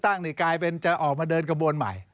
ตั้งให้กายเป็นจะออกมาเดินกระบวนใหม่